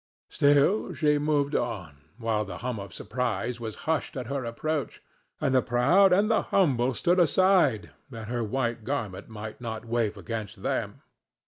Still she moved on, while the hum of surprise was hushed at her approach, and the proud and the humble stood aside that her white garment might not wave against them.